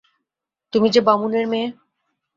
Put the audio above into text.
তুমি যে বামুনের মেয়ে।